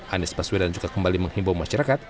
anies paswedan juga kembali menghimpau masyarakat